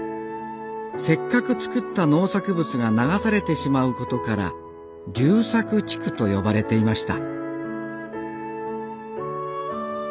せっかく作った農作物が流されてしまう事から流作地区と呼ばれていました